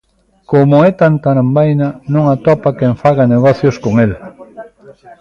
Como é tan tarambaina, non atopa quen faga negocios con el.